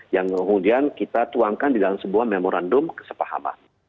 yang kemudian kita tuangkan di dalam sebuah memorandum kesepahaman